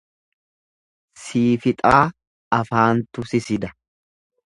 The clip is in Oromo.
Siifixaa afaantu sisida.